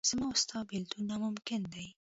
زما او ستا بېلتون ناممکن دی.